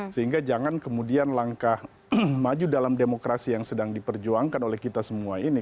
sehingga jangan kemudian langkah maju dalam demokrasi yang sedang diperjuangkan oleh kita semua ini